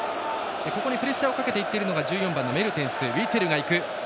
ここにプレッシャーをかけていっているのが１４番のメルテンス。